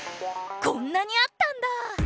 こんなにあったんだ！